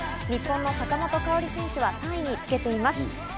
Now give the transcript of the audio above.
日本の坂本花織選手は３位につけています。